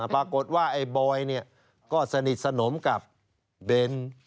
ปรากฏว่าไอ้บอยก็สนิทสนมกับเบน